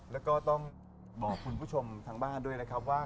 แล้วก็ต้องบอกคุณผู้ชมทางบ้านด้วยนะครับว่า